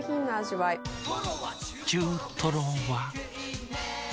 中トロは。